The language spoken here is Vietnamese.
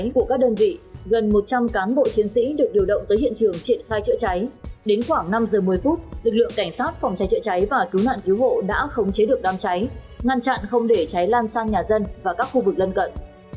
phòng trái trịa trái và cứu nạn cứu hộ đã khống chế được đám trái ngăn chặn không để trái lan sang nhà dân và các khu vực lân cận